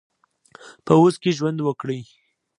په اوس کې ژوند وکړئ